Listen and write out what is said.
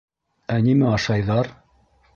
— Ә нимә ашайҙар?